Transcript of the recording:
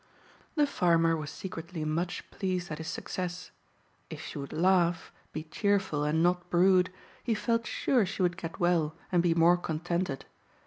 The farmer was secretly much pleased at his success. If she would laugh, be cheerful and not brood, he felt sure she would get well and be more contented.